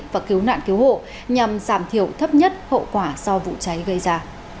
và cứu nạn cứu hộ nhằm giảm thiểu thấp nhất hậu quả do vụ cháy gây ra